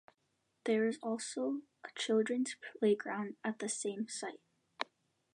There is also a children's playground at the same site.